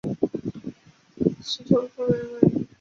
斯托克斯位移。